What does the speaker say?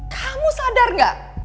kamu sadar gak